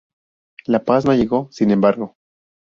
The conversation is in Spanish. La paz no llegó, sin embargo.